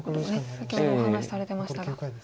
先ほどお話しされてましたが。